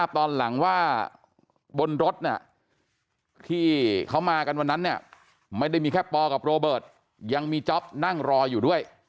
ตอนหลังว่าบนรถที่เขามากันวันนั้นไม่ได้มีแค่ปอกับโรเบิร์ตยังมีจ๊อปนั่งรออยู่ด้วย